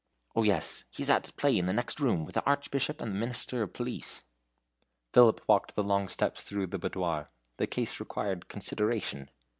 "Oh, yes, he is at play in the next room, with the Archbishop and the Minister of Police." Philip walked with long steps through the boudoir. The case required consideration.